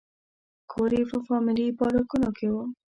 کور یې په فامیلي بلاکونو کې و.